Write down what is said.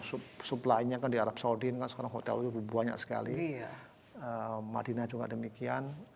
sup sup lainnya ke di arab saudi dengan seorang hotel bubuk banyak sekali madinah juga demikian